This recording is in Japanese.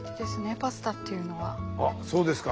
あっそうですか。